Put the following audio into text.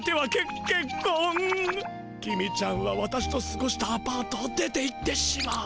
公ちゃんは私とすごしたアパートを出ていってしまう。